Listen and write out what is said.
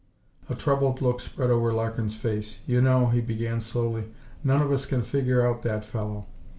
A troubled look spread over Larkin's face. "You know," he began slowly, "none of us can figure out that fellow.